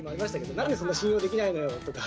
「なんでそんな信用できないのよ！」とか。